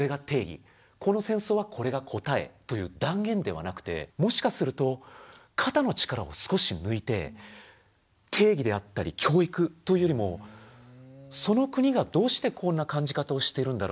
この戦争はこれが答えという断言ではなくてもしかすると肩の力を少し抜いて定義であったり教育というよりもその国がどうしてこんな感じ方をしてるんだろう？